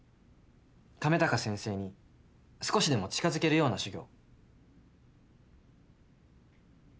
亀高先生に少しでも近づけるような修行。